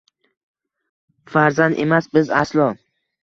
Farzand emas biz aslo.